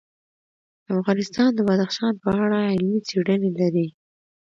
افغانستان د بدخشان په اړه علمي څېړنې لري.